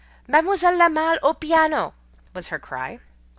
"Mademoiselle La Malle au piano!" was her cry.